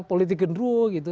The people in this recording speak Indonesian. politik genderu gitu